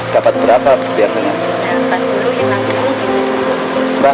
dapat berapa biasanya